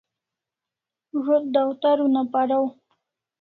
Zo't dawtar una paraw